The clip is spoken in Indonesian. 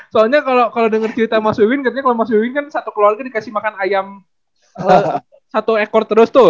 soalnya kalau denger cerita mas wiwin katanya kalau mas wiwin kan satu keluarga dikasih makan ayam satu ekor terus tuh